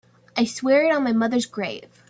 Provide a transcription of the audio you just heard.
I swear it on my mother's grave.